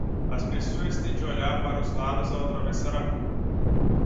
As pessoas têm de olhar para os lados ao atravessar a rua.